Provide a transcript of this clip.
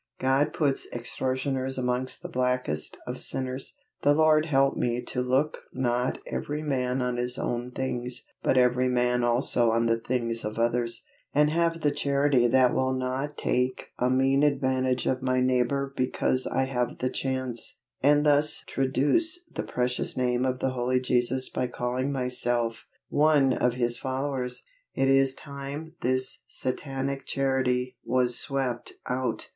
God puts extortioners amongst the blackest of sinners. The Lord help me to "Look not every man on his own things, but every man also on the things of others," and have the Charity that will not take a mean advantage of my neighbor because I have the chance, and thus traduce the precious name of the Holy Jesus by calling myself one of His followers. It is time this satanic Charity was swept out!